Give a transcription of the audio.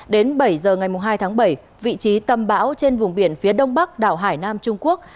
đến bảy giờ ngày hai tháng bảy vị trí tâm bão trên vùng biển phía đông bắc đảo hải nam trung quốc